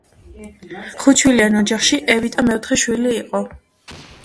ხუთშვილიან ოჯახში, ევიტა მეოთხე შვილი იყო.